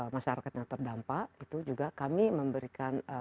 masyarakat yang terdampak itu juga kami memberikan